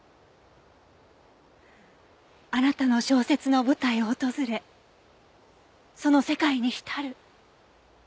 あなたの小説の舞台を訪れその世界に浸る。